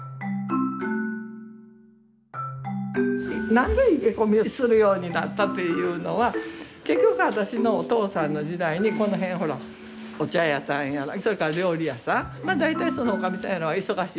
何で生け込みをするようになったというのは結局私のお父さんの時代にこの辺ほらお茶屋さんやらそれから料理屋さんまあ大体そのおかみさんやらは忙しい。